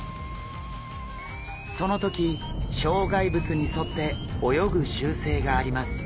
その時障害物に沿って泳ぐ習性があります。